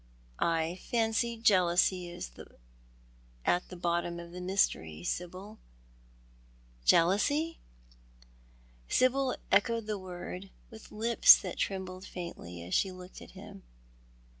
" I fancy jealousy is at the bottom of the mystery, Sibyl." "Jealousy?" Sibyl echoed the word with lips that trembled faintly as she looked at him.